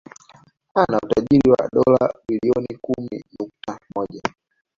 Ana utajiri wa dola Bilioni kumi nukta moja